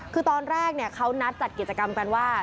คือตอนแรกเขานัดจัดกิจกรรมกันว่า